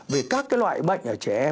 về các cái loại bệnh ở trẻ em